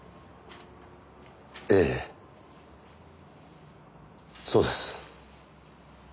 ええそうです。